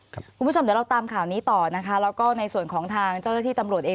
คุณผู้ชมเดี๋ยวเราตามข่าวนี้ต่อนะคะแล้วก็ในส่วนของทางเจ้าหน้าที่ตำรวจเอง